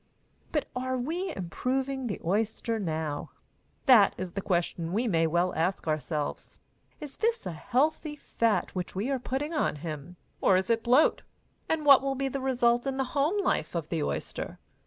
But are we improving the oyster now? That is a question we may well ask ourselves. Is this a healthy fat which we are putting on him, or is it bloat? And what will be the result in the home life of the oyster?